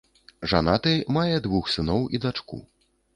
Жанаты, мае двух сыноў і дачку.